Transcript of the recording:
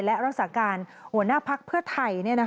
และรักษาการหัวหน้าภักดิ์เพื่อไทย